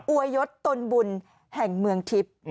วยยศตนบุญแห่งเมืองทิพย์